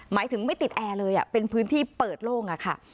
หมายถึงไม่ติดแอร์เลยเป็นพื้นที่เปิดโล่งค่ะ